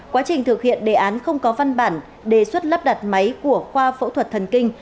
quá trình thực hiện đề án không có văn bản đề xuất lắp đặt máy của khoa phẫu thuật thần kinh